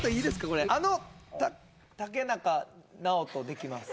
これ「あの、竹中直人できます。」